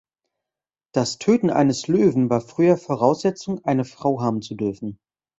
Das Töten eines Löwen war früher Voraussetzung, eine Frau haben zu dürfen.